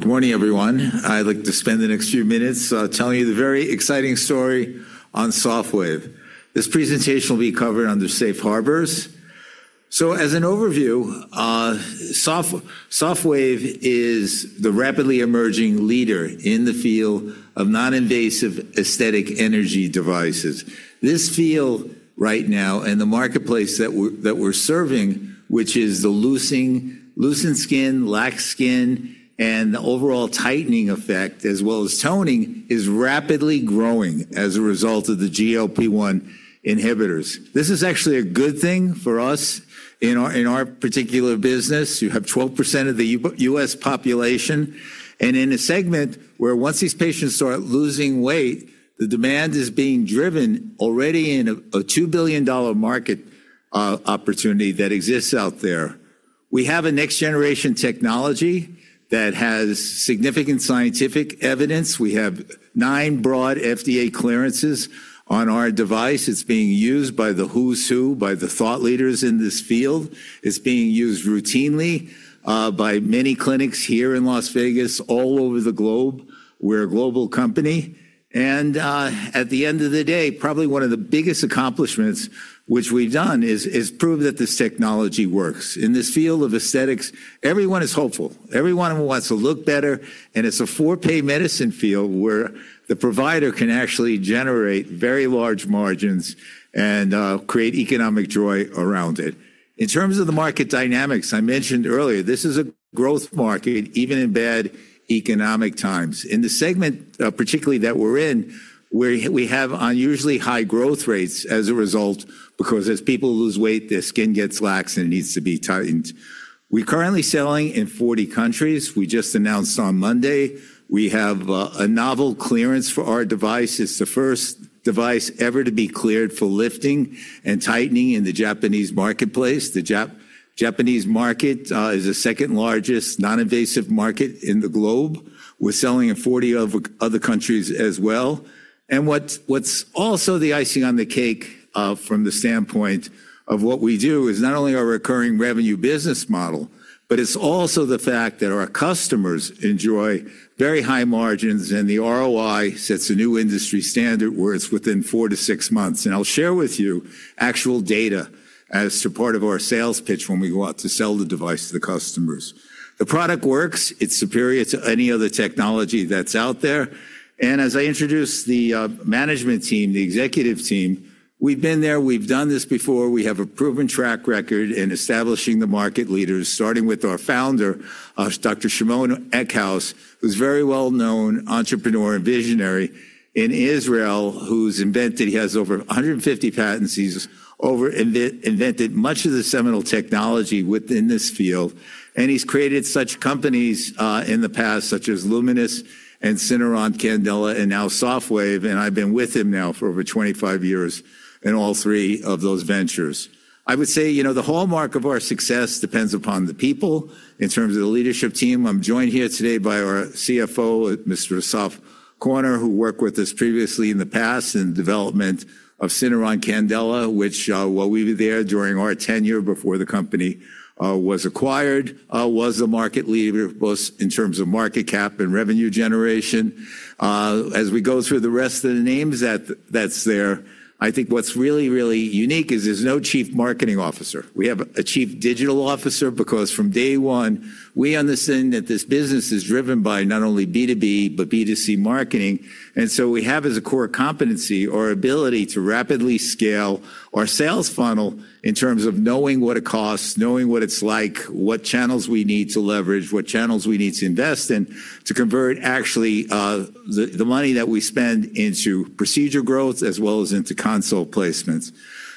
Good morning, everyone. I'd like to spend the next few minutes telling you the very exciting story on Sofwave. This presentation will be covered under Safe Harbors. As an overview, Sofwave is the rapidly emerging leader in the field of non-invasive aesthetic energy devices. This field right now and the marketplace that we're serving, which is the loosened skin, lax skin, and the overall tightening effect, as well as toning, is rapidly growing as a result of the GLP-1 inhibitors. This is actually a good thing for us in our particular business. You have 12% of the U.S. population. In a segment where once these patients start losing weight, the demand is being driven already in a $2 billion market opportunity that exists out there. We have a next-generation technology that has significant scientific evidence. We have nine broad FDA clearances on our device. It's being used by the who's who, by the thought leaders in this field. It's being used routinely by many clinics here in Las Vegas, all over the globe. We're a global company. At the end of the day, probably one of the biggest accomplishments which we've done is prove that this technology works. In this field of aesthetics, everyone is hopeful. Everyone wants to look better. It's a for-pay medicine field where the provider can actually generate very large margins and create economic joy around it. In terms of the market dynamics I mentioned earlier, this is a growth market, even in bad economic times. In the segment, particularly that we're in, we have unusually high growth rates as a result because as people lose weight, their skin gets lax and it needs to be tightened. We're currently selling in 40 countries. We just announced on Monday we have a novel clearance for our device. It's the first device ever to be cleared for lifting and tightening in the Japanese marketplace. The Japanese market is the second largest non-invasive market in the globe. We're selling in 40 other countries as well. What's also the icing on the cake from the standpoint of what we do is not only our recurring revenue business model, but it's also the fact that our customers enjoy very high margins and the ROI sets a new industry standard where it's within four to six months. I'll share with you actual data as part of our sales pitch when we go out to sell the device to the customers. The product works. It's superior to any other technology that's out there. As I introduce the management team, the executive team, we've been there. We've done this before. We have a proven track record in establishing the market leaders, starting with our founder, Dr. Shimon Eckhouse, who's a very well-known entrepreneur and visionary in Israel who's invented—he has over 150 patents. He's invented much of the seminal technology within this field. He's created such companies in the past, such as Lumenis and Syneron Candela, and now Sofwave. I've been with him now for over 25 years in all three of those ventures. I would say, you know, the hallmark of our success depends upon the people in terms of the leadership team. I'm joined here today by our CFO, Mr. Assaf Korner, who worked with us previously in the past in the development of Syneron Candela, which, while we were there during our tenure before the company was acquired, was a market leader both in terms of market cap and revenue generation. As we go through the rest of the names that's there, I think what's really, really unique is there's no Chief Marketing Officer. We have a Chief Digital Officer because from day one, we understand that this business is driven by not only B2B, but B2C marketing. We have as a core competency our ability to rapidly scale our sales funnel in terms of knowing what it costs, knowing what it's like, what channels we need to leverage, what channels we need to invest in to convert actually the money that we spend into procedure growth as well as into console placements.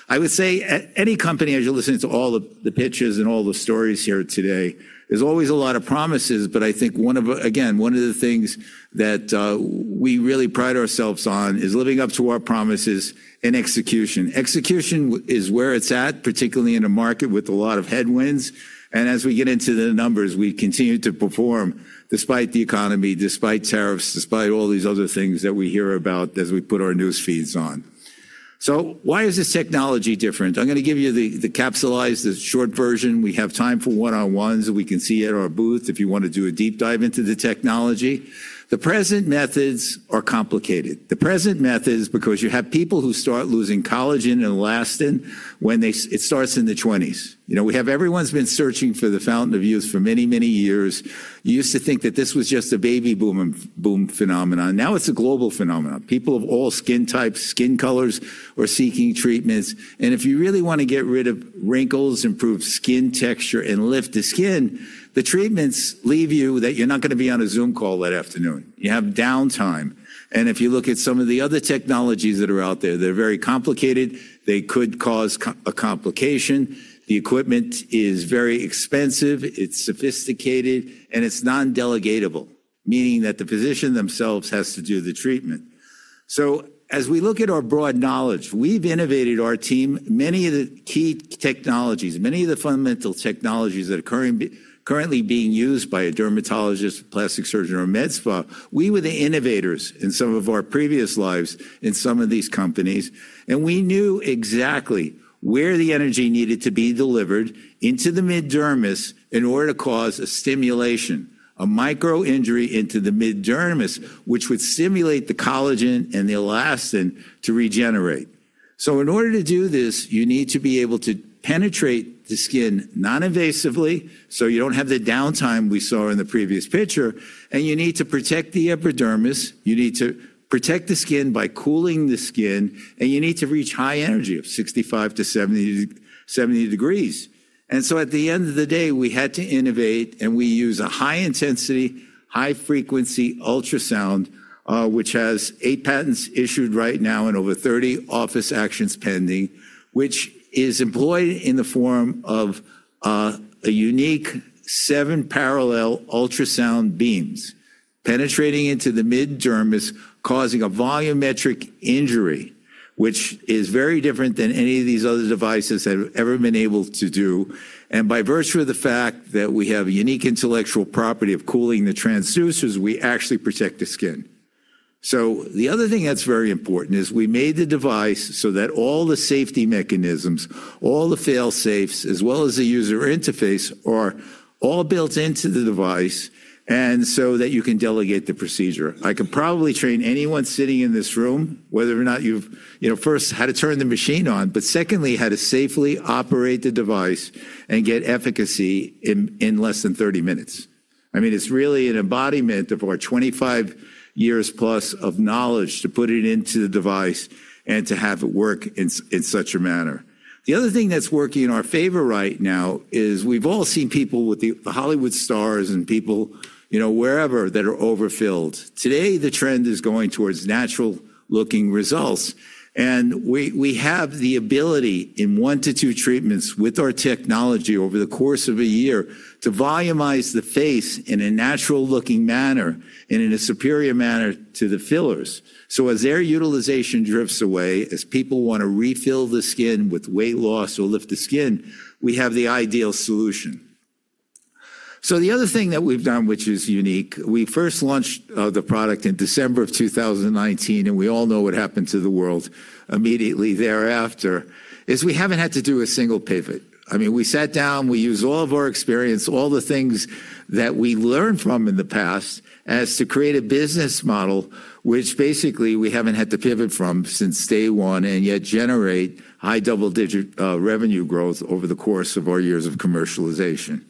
I would say any company, as you're listening to all the pitches and all the stories here today, there's always a lot of promises. I think, again, one of the things that we really pride ourselves on is living up to our promises in execution. Execution is where it's at, particularly in a market with a lot of headwinds. As we get into the numbers, we continue to perform despite the economy, despite tariffs, despite all these other things that we hear about as we put our news feeds on. Why is this technology different? I'm going to give you the capsulized, the short version. We have time for one-on-ones. We can see it at our booth if you want to do a deep dive into the technology. The present methods are complicated. The present methods, because you have people who start losing collagen and elastin when it starts in the 20s. You know, we have everyone's been searching for the fountain of youth for many, many years. You used to think that this was just a baby boom phenomenon. Now it's a global phenomenon. People of all skin types, skin colors, are seeking treatments. If you really want to get rid of wrinkles, improve skin texture, and lift the skin, the treatments leave you that you're not going to be on a Zoom call that afternoon. You have downtime. If you look at some of the other technologies that are out there, they're very complicated. They could cause a complication. The equipment is very expensive. It's sophisticated. It's non-delegatable, meaning that the physician themselves has to do the treatment. As we look at our broad knowledge, we've innovated our team. Many of the key technologies, many of the fundamental technologies that are currently being used by a dermatologist, plastic surgeon, or med-spa, we were the innovators in some of our previous lives in some of these companies. We knew exactly where the energy needed to be delivered into the mid dermis in order to cause a stimulation, a micro-injury into the mid dermis, which would stimulate the collagen and the elastin to regenerate. In order to do this, you need to be able to penetrate the skin non-invasively so you do not have the downtime we saw in the previous picture. You need to protect the epidermis. You need to protect the skin by cooling the skin. You need to reach high energy of 65-70 degrees. At the end of the day, we had to innovate. We use a high-intensity, high-frequency ultrasound, which has eight patents issued right now and over 30 office actions pending, which is employed in the form of a unique seven parallel ultrasound beams penetrating into the mid dermis, causing a volumetric injury, which is very different than any of these other devices that have ever been able to do. By virtue of the fact that we have a unique intellectual property of cooling the transducers, we actually protect the skin. The other thing that's very important is we made the device so that all the safety mechanisms, all the fail-safes, as well as the user interface, are all built into the device so that you can delegate the procedure. I could probably train anyone sitting in this room, whether or not you've, you know, first, how to turn the machine on, but secondly, how to safely operate the device and get efficacy in less than 30 minutes. I mean, it's really an embodiment of our 25 years+ of knowledge to put it into the device and to have it work in such a manner. The other thing that's working in our favor right now is we've all seen people with the Hollywood stars and people, you know, wherever that are overfilled. Today, the trend is going towards natural-looking results. And we have the ability, in one to two treatments with our technology over the course of a year, to volumize the face in a natural-looking manner and in a superior manner to the fillers. As their utilization drifts away, as people want to refill the skin with weight loss or lift the skin, we have the ideal solution. The other thing that we've done, which is unique, we first launched the product in December of 2019. We all know what happened to the world immediately thereafter is we haven't had to do a single pivot. I mean, we sat down. We used all of our experience, all the things that we learned from in the past as to create a business model, which basically we haven't had to pivot from since day one and yet generate high double-digit revenue growth over the course of our years of commercialization.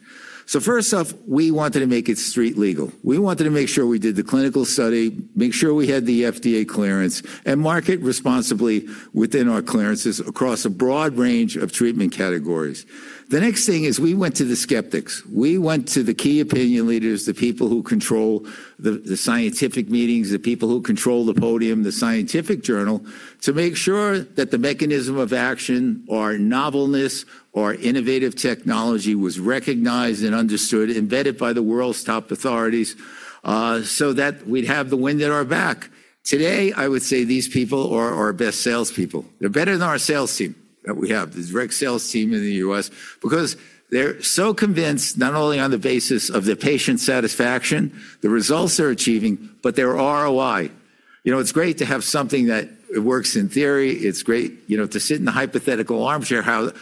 First off, we wanted to make it street legal. We wanted to make sure we did the clinical study, make sure we had the FDA clearance, and market responsibly within our clearances across a broad range of treatment categories. The next thing is we went to the skeptics. We went to the key opinion leaders, the people who control the scientific meetings, the people who control the podium, the scientific journal, to make sure that the mechanism of action, our novelness, our innovative technology was recognized and understood, embedded by the world's top authorities so that we'd have the wind at our back. Today, I would say these people are our best salespeople. They're better than our sales team that we have, the direct sales team in the U.S., because they're so convinced not only on the basis of the patient satisfaction, the results they're achieving, but their ROI. You know, it's great to have something that works in theory. It's great, you know, to sit in the hypothetical armchair how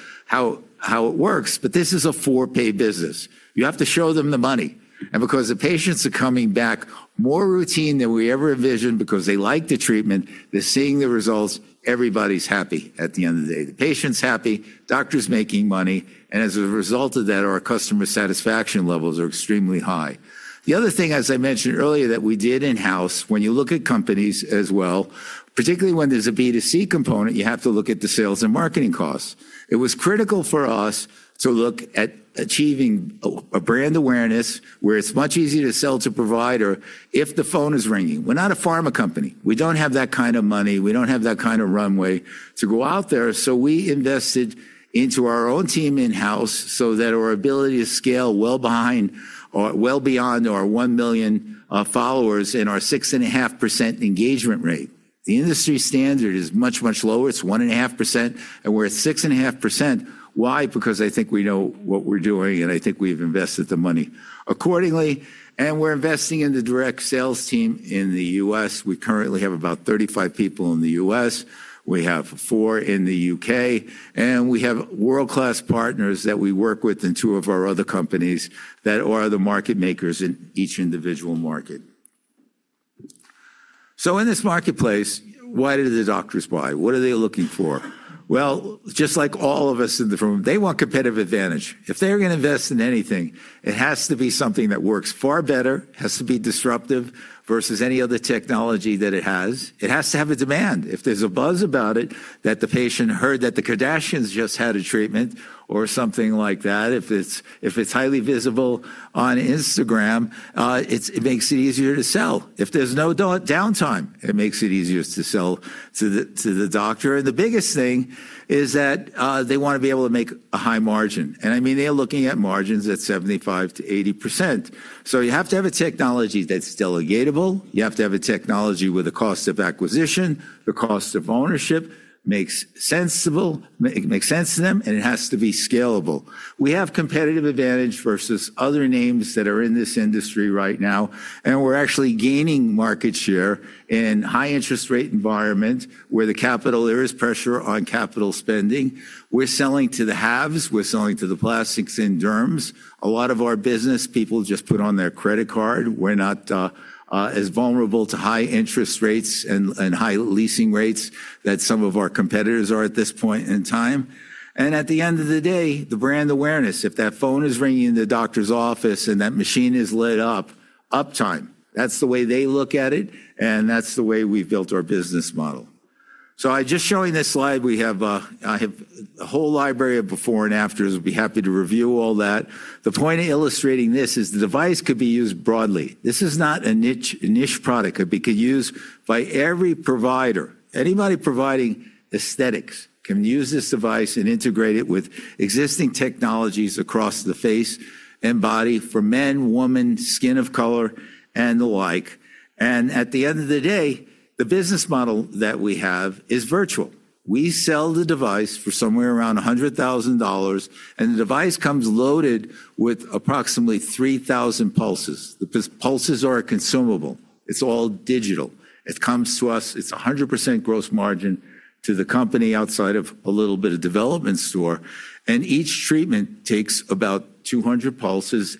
it works. This is a for-pay business. You have to show them the money. Because the patients are coming back more routine than we ever envisioned because they like the treatment, they're seeing the results, everybody's happy at the end of the day. The patient's happy, doctor's making money. As a result of that, our customer satisfaction levels are extremely high. The other thing, as I mentioned earlier, that we did in-house, when you look at companies as well, particularly when there's a B2C component, you have to look at the sales and marketing costs. It was critical for us to look at achieving a brand awareness where it's much easier to sell to provider if the phone is ringing. We're not a pharma company. We don't have that kind of money. We don't have that kind of runway to go out there. So we invested into our own team in-house so that our ability to scale well behind or well beyond our 1 million followers and our 6.5% engagement rate. The industry standard is much, much lower. It's 1.5%. And we're at 6.5%. Why? Because I think we know what we're doing. And I think we've invested the money accordingly. And we're investing in the direct sales team in the U.S. We currently have about 35 people in the U.S. We have four in the U.K. And we have world-class partners that we work with in two of our other companies that are the market makers in each individual market. In this marketplace, why did the doctors buy? What are they looking for? Just like all of us in the room, they want competitive advantage. If they're going to invest in anything, it has to be something that works far better, has to be disruptive versus any other technology that it has. It has to have a demand. If there's a buzz about it, that the patient heard that the Kardashians just had a treatment or something like that, if it's highly visible on Instagram, it makes it easier to sell. If there's no downtime, it makes it easier to sell to the doctor. The biggest thing is that they want to be able to make a high margin. I mean, they're looking at margins at 75%-80%. You have to have a technology that's delegatable. You have to have a technology where the cost of acquisition, the cost of ownership makes sense to them, and it has to be scalable. We have competitive advantage versus other names that are in this industry right now. We're actually gaining market share in a high-interest rate environment where there is pressure on capital spending. We're selling to the haves. We're selling to the plastics and derms. A lot of our business people just put on their credit card. We're not as vulnerable to high interest rates and high leasing rates that some of our competitors are at this point in time. At the end of the day, the brand awareness, if that phone is ringing in the doctor's office and that machine is lit up, uptime, that's the way they look at it. That's the way we've built our business model. I'm just showing this slide. We have a whole library of before and afters. We'll be happy to review all that. The point of illustrating this is the device could be used broadly. This is not a niche product. It could be used by every provider. Anybody providing aesthetics can use this device and integrate it with existing technologies across the face and body for men, women, skin of color, and the like. At the end of the day, the business model that we have is virtual. We sell the device for somewhere around $100,000. The device comes loaded with approximately 3,000 pulses. The pulses are consumable. It's all digital. It comes to us. It's 100% gross margin to the company outside of a little bit of development store. Each treatment takes about 200 pulses.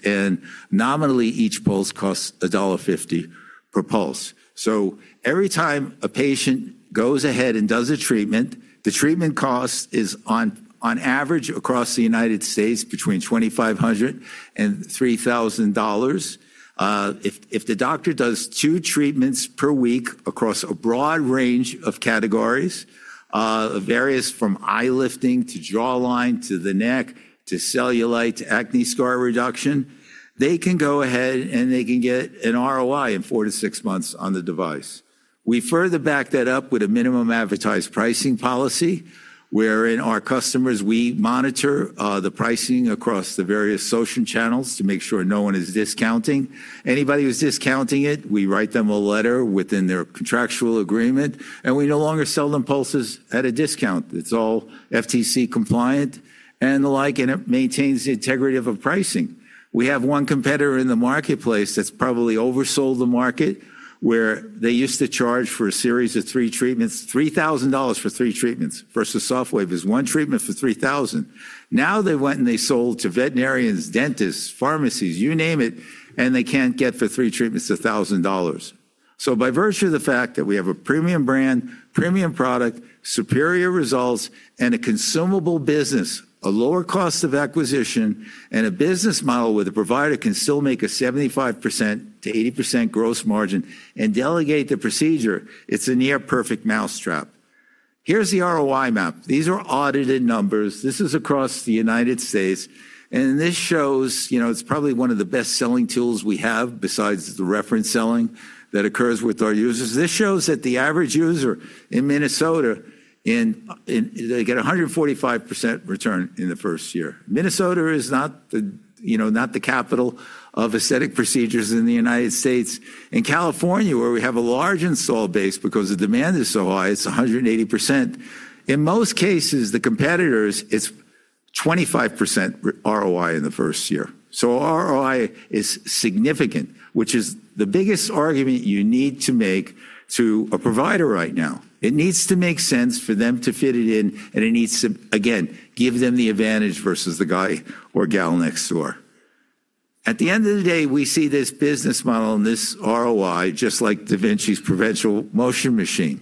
Nominally, each pulse costs $1.50 per pulse. Every time a patient goes ahead and does a treatment, the treatment cost is, on average across the United States, between $2,500 and $3,000. If the doctor does two treatments per week across a broad range of categories, various from eye lifting to jawline to the neck to cellulite to acne scar reduction, they can go ahead and they can get an ROI in four to six months on the device. We further back that up with a minimum advertised pricing policy wherein our customers, we monitor the pricing across the various social channels to make sure no one is discounting. Anybody who's discounting it, we write them a letter within their contractual agreement. We no longer sell them pulses at a discount. It's all FTC compliant and the like. It maintains the integrity of pricing. We have one competitor in the marketplace that's probably oversold the market where they used to charge for a series of three treatments $3,000 for three treatments versus Sofwave is one treatment for $3,000. Now they went and they sold to veterinarians, dentists, pharmacies, you name it, and they can't get for three treatments $1,000. By virtue of the fact that we have a premium brand, premium product, superior results, and a consumable business, a lower cost of acquisition, and a business model where the provider can still make a 75%-80% gross margin and delegate the procedure, it's a near-perfect mousetrap. Here's the ROI map. These are audited numbers. This is across the United States. This shows, you know, it's probably one of the best-selling tools we have besides the reference selling that occurs with our users. This shows that the average user in Minnesota, they get a 145% return in the first year. Minnesota is not the, you know, not the capital of aesthetic procedures in the U.S. In California, where we have a large install base because the demand is so high, it's 180%. In most cases, the competitors, it's 25% ROI in the first year. ROI is significant, which is the biggest argument you need to make to a provider right now. It needs to make sense for them to fit it in. It needs to, again, give them the advantage versus the guy or gal next door. At the end of the day, we see this business model and this ROI just like da Vinci's perpetual motion machine.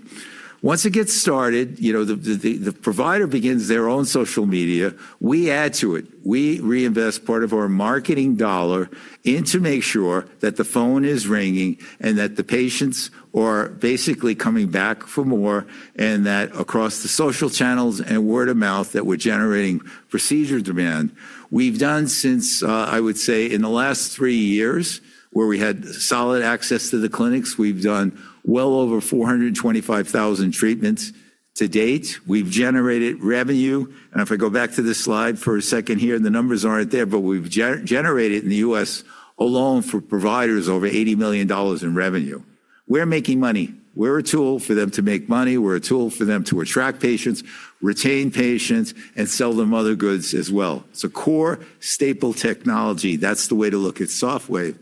Once it gets started, you know, the provider begins their own social media. We add to it. We reinvest part of our marketing dollar into making sure that the phone is ringing and that the patients are basically coming back for more and that across the social channels and word of mouth that we're generating procedure demand. We've done since, I would say, in the last three years where we had solid access to the clinics, we've done well over 425,000 treatments to date. We've generated revenue. If I go back to this slide for a second here, the numbers aren't there. We've generated in the U.S. alone for providers over $80 million in revenue. We're making money. We're a tool for them to make money. We're a tool for them to attract patients, retain patients, and sell them other goods as well. It's a core staple technology. That's the way to look at Sofwave.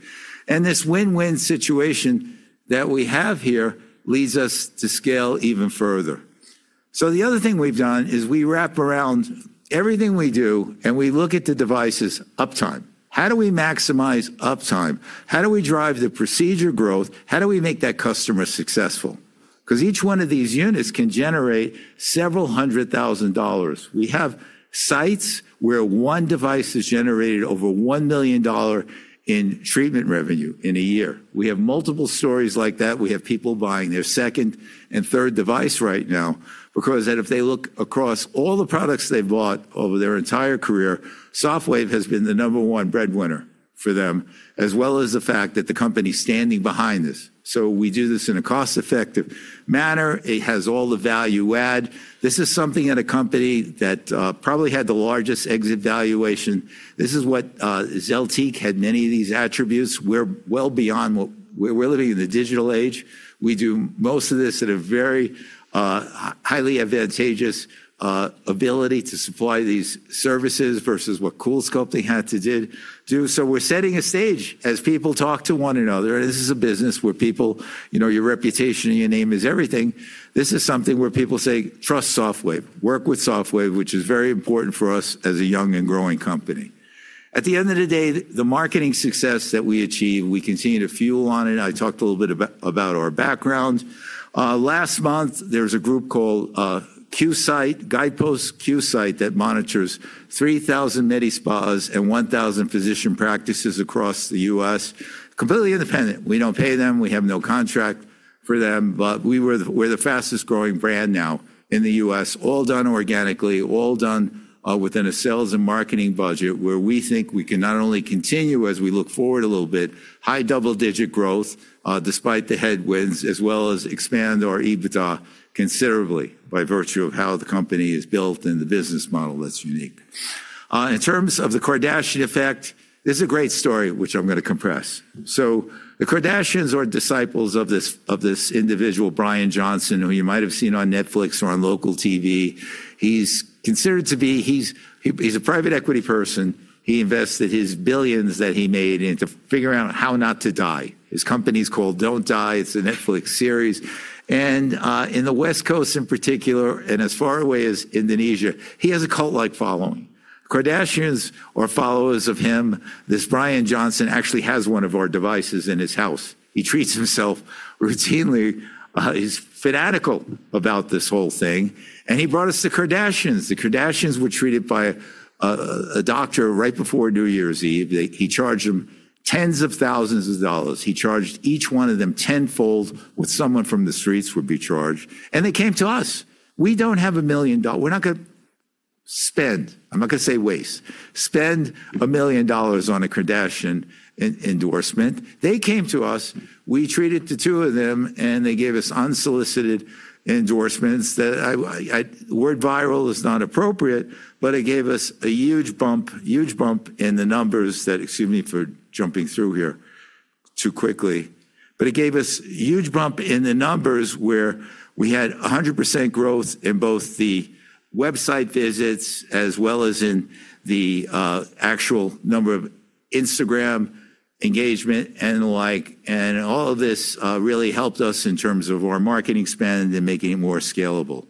This win-win situation that we have here leads us to scale even further. The other thing we've done is we wrap around everything we do and we look at the device's uptime. How do we maximize uptime? How do we drive the procedure growth? How do we make that customer successful? Because each one of these units can generate several hundred thousand dollars. We have sites where one device has generated over $1 million in treatment revenue in a year. We have multiple stories like that. We have people buying their second and third device right now because if they look across all the products they've bought over their entire career, Sofwave has been the number one breadwinner for them, as well as the fact that the company is standing behind this. We do this in a cost-effective manner. It has all the value-add. This is something in a company that probably had the largest exit valuation. This is what Zeltiq had, many of these attributes. We're well beyond what—we're living in the digital age. We do most of this at a very highly advantageous ability to supply these services versus what CoolSculpting had to do. We are setting a stage as people talk to one another. This is a business where people, you know, your reputation and your name is everything. This is something where people say, "Trust Sofwave. Work with Sofwave," which is very important for us as a young and growing company. At the end of the day, the marketing success that we achieve, we continue to fuel on it. I talked a little bit about our background. Last month, there was a group called Qsight, Guidepoint Qsight, that monitors 3,000 medi-spas and 1,000 physician practices across the U.S., completely independent. We do not pay them. We have no contract for them. We are the fastest-growing brand now in the U.S., all done organically, all done within a sales and marketing budget where we think we can not only continue as we look forward a little bit, high double-digit growth despite the headwinds, as well as expand our EBITDA considerably by virtue of how the company is built and the business model that is unique. In terms of the Kardashian effect, this is a great story, which I am going to compress. The Kardashians are disciples of this individual, Bryan Johnson, who you might have seen on Netflix or on local TV. He is considered to be—he is a private equity person. He invested his billions that he made into figuring out how not to die. His company is called Don't Die. It's a Netflix series. In the West Coast in particular, and as far away as Indonesia, he has a cult-like following. Kardashians are followers of him. This Bryan Johnson actually has one of our devices in his house. He treats himself routinely. He's fanatical about this whole thing. He brought us the Kardashians. The Kardashians were treated by a doctor right before New Year's Eve. He charged them tens of thousands of dollars. He charged each one of them tenfold what someone from the streets would be charged. They came to us. We don't have a million dollars. We're not going to spend—I'm not going to say waste—spend a million dollars on a Kardashian endorsement. They came to us. We treated the two of them. They gave us unsolicited endorsements. The word "viral" is not appropriate. It gave us a huge bump, huge bump in the numbers that—excuse me for jumping through here too quickly—it gave us a huge bump in the numbers where we had 100% growth in both the website visits as well as in the actual number of Instagram engagement and the like. All of this really helped us in terms of our marketing spend and making it more scalable.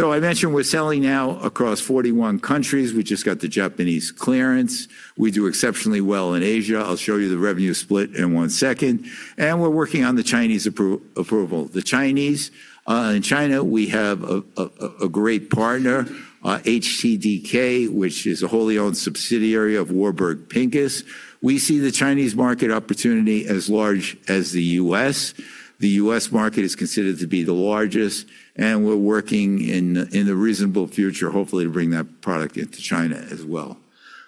I mentioned we're selling now across 41 countries. We just got the Japanese clearance. We do exceptionally well in Asia. I'll show you the revenue split in one second. We're working on the Chinese approval. In China, we have a great partner, HTDK, which is a wholly owned subsidiary of Warburg Pincus. We see the Chinese market opportunity as large as the U.S. The U.S. Market is considered to be the largest. We are working in the reasonable future, hopefully, to bring that product into China as well.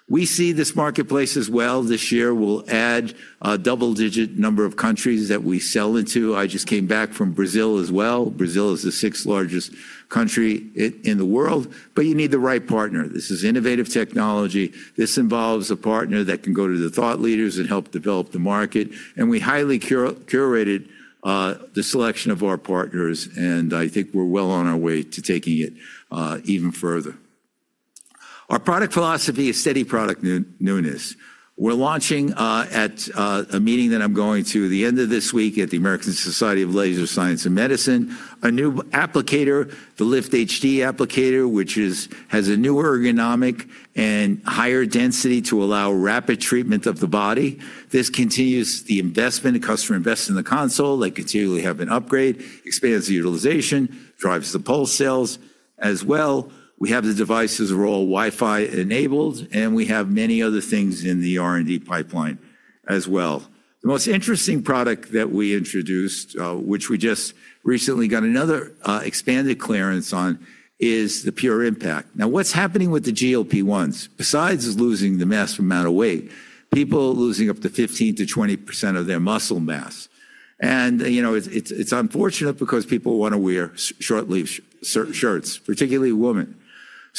We see this marketplace as well. This year, we will add a double-digit number of countries that we sell into. I just came back from Brazil as well. Brazil is the sixth largest country in the world. You need the right partner. This is innovative technology. This involves a partner that can go to the thought leaders and help develop the market. We highly curated the selection of our partners. I think we are well on our way to taking it even further. Our product philosophy is steady product newness. We're launching at a meeting that I'm going to the end of this week at the American Society for Laser Medicine and Surgery a new applicator, the liftHD applicator, which has a new ergonomic and higher density to allow rapid treatment of the body. This continues the investment, customer investment in the console. They continually have an upgrade, expands utilization, drives the pulse sales as well. We have the devices that are all Wi-Fi enabled. We have many other things in the R&D pipeline as well. The most interesting product that we introduced, which we just recently got another expanded clearance on, is the Pure Impact. Now, what's happening with the GLP-1s? Besides losing the massive amount of weight, people are losing up to 15%-20% of their muscle mass. You know, it's unfortunate because people want to wear short sleeve shirts, particularly women.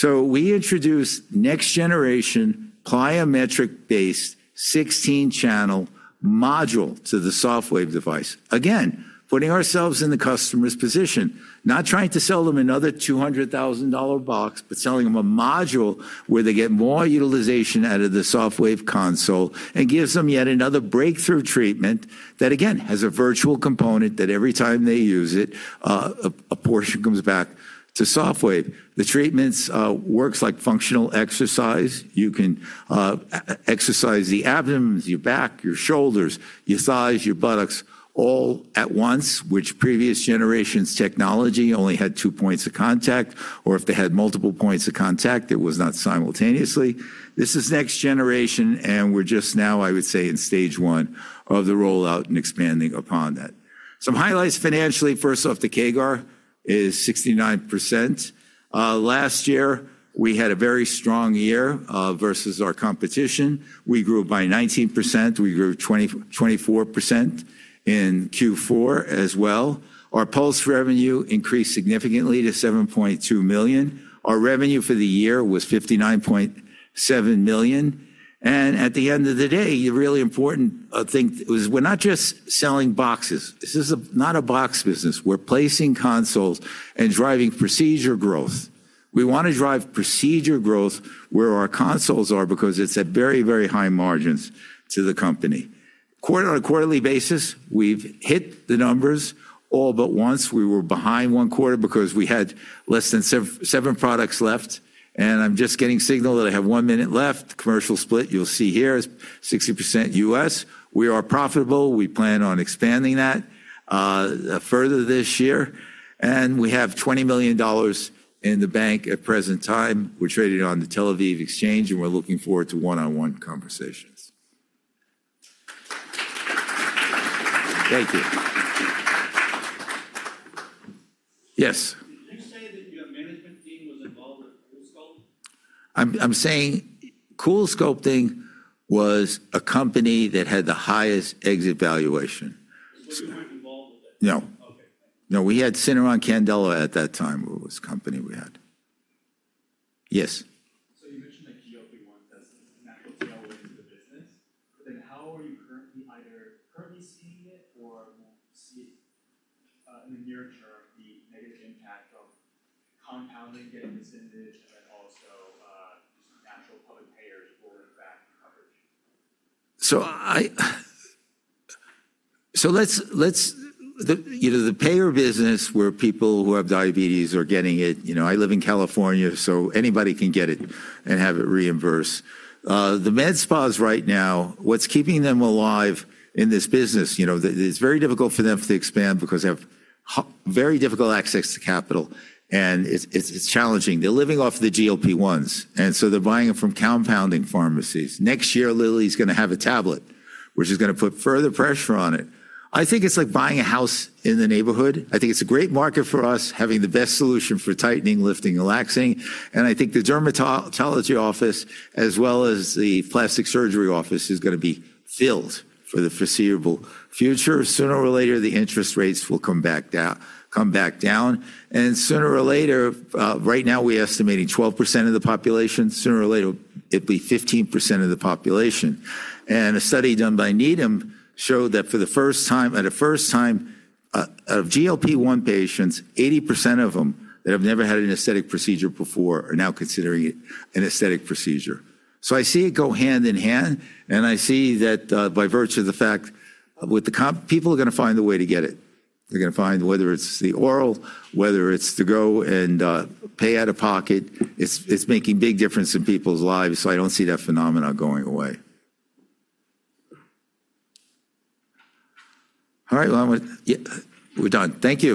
We introduced next-generation plyometric-based 16-channel module to the Sofwave device. Again, putting ourselves in the customer's position, not trying to sell them another $200,000 box, but selling them a module where they get more utilization out of the Sofwave console and gives them yet another breakthrough treatment that, again, has a virtual component that every time they use it, a portion comes back to Sofwave. The treatments work like functional exercise. You can exercise the abdomen, your back, your shoulders, your thighs, your buttocks all at once, which previous generations' technology only had two points of contact. Or if they had multiple points of contact, it was not simultaneously. This is next generation. We're just now, I would say, in stage one of the rollout and expanding upon that. Some highlights financially. First off, the CAGR is 69%. Last year, we had a very strong year versus our competition. We grew by 19%. We grew 24% in Q4 as well. Our pulse revenue increased significantly to $7.2 million. Our revenue for the year was $59.7 million. At the end of the day, the really important thing was we're not just selling boxes. This is not a box business. We're placing consoles and driving procedure growth. We want to drive procedure growth where our consoles are because it's at very, very high margins to the company. On a quarterly basis, we've hit the numbers all but once. We were behind one quarter because we had less than seven products left. I'm just getting a signal that I have one minute left. Commercial split you'll see here is 60% U.S. We are profitable. We plan on expanding that further this year. We have $20 million in the bank at present time. We're traded on the Tel Aviv Exchange. We're looking forward to one-on-one conversations. Thank you. Yes. Did you say that your management team was involved with CoolSculpting? I'm saying CoolSculpting was a company that had the highest exit valuation. 'Was anyone involved with it? No. Okay. No, we had Syneron Candela at that time. It was a company we had. Yes. You mentioned that GLP-1 does not go into the business. How are you currently either currently seeing it or will see in the near term the negative impact of compounding, getting this in, and also just natural public payers or, in fact, coverage? The payer business where people who have diabetes are getting it. You know, I live in California, so anybody can get it and have it reimbursed. The med-spas right now, what's keeping them alive in this business, you know, it's very difficult for them to expand because they have very difficult access to capital. It's challenging. They're living off the GLP-1s. They're buying it from compounding pharmacies. Next year, Lilly's going to have a tablet, which is going to put further pressure on it. I think it's like buying a house in the neighborhood. I think it's a great market for us, having the best solution for tightening, lifting, and relaxing. I think the dermatology office, as well as the plastic surgery office, is going to be filled for the foreseeable future. Sooner or later, the interest rates will come back down. Sooner or later, right now, we're estimating 12% of the population. Sooner or later, it'll be 15% of the population. A study done by Needham showed that for the first time, at a first time of GLP-1 patients, 80% of them that have never had an aesthetic procedure before are now considering an aesthetic procedure. I see it go hand in hand. I see that by virtue of the fact with the people are going to find a way to get it. They're going to find whether it's the oral, whether it's to go and pay out of pocket. It's making a big difference in people's lives. I don't see that phenomenon going away. All right. We're done. Thank you.